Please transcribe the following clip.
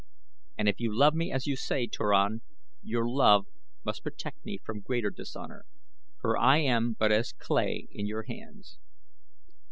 And if you love me as you say, Turan, your love must protect me from greater dishonor, for I am but as clay in your hands."